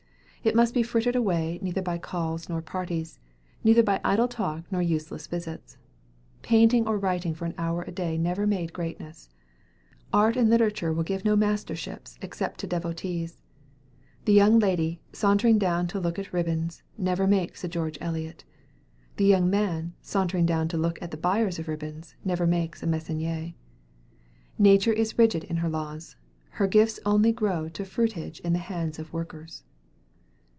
It must be frittered away neither by calls nor parties; neither by idle talk nor useless visits. Painting or writing for an hour a day never made greatness. Art and literature will give no masterships except to devotees. The young lady, sauntering down town to look at ribbons, never makes a George Eliot. The young man, sauntering down town to look at the buyers of ribbons, never makes a Meissonier. Nature is rigid in her laws. Her gifts only grow to fruitage in the hands of workers.